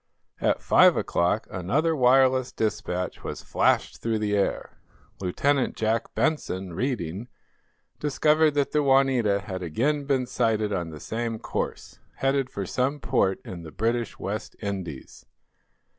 At five o'clock another wireless despatch was flashed through the air. Lieutenant Jack Benson, reading, discovered that the "Juanita" had again been sighted on the same course, headed for some port in the British West Indies.